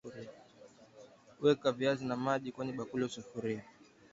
Weka viazi na maji kwenye bakuli au sufuria